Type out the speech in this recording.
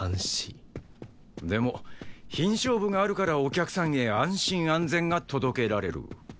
でも品証部があるからお客さんへ安心安全が届けられる。